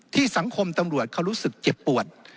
สังคมตำรวจเขารู้สึกเจ็บปวด